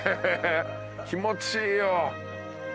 気持ちいいよ。